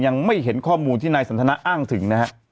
ยังไม่เห็นข้อมูลที่นายสันทนาอ้างถึงนะฮะ